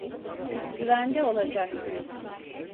Güvende olacaksınız.